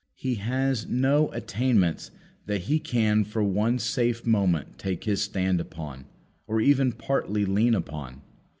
He has no attainments that he can for one safe moment take his stand upon, or even partly lean upon.